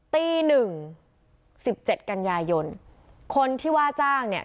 ตีหนึ่ง๑๗กัญญายนคนที่ว่าจ้างเนี่ย